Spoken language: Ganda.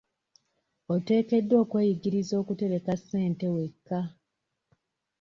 Oteekeddwa okweyigiriza okutereka ssente wekka.